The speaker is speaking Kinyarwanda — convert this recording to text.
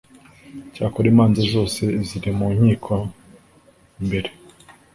Icyakora imanza zose ziri mu nkiko mbere